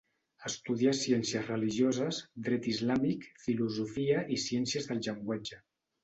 Estudià ciències religioses, dret islàmic, filosofia i ciències del llenguatge.